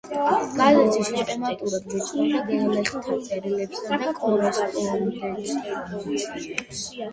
გაზეთი სისტემატურად ბეჭდავდა გლეხთა წერილებსა და კორესპონდენციებს.